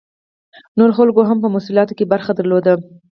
نورو خلکو هم په محصولاتو کې برخه درلوده.